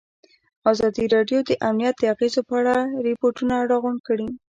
ازادي راډیو د امنیت د اغېزو په اړه ریپوټونه راغونډ کړي.